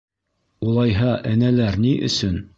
Улайһа энәләр ни өсөн?